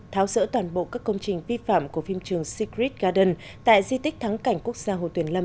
tháo sỡ toàn bộ các công trình vi phạm của phim trường secret garden tại di tích thắng cảnh quốc gia hồ tuyền lâm